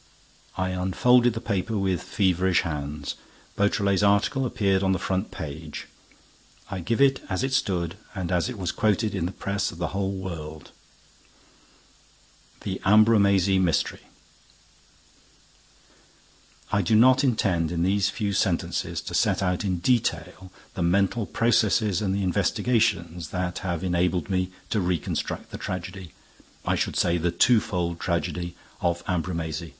I unfolded the paper with feverish hands. Beautrelet's article appeared on the front page. I give it as it stood and as it was quoted in the press of the whole world: THE AMBRUMÉSY MYSTERY I do not intend in these few sentences to set out in detail the mental processes and the investigations that have enabled me to reconstruct the tragedy—I should say the twofold tragedy—of Ambrumésy.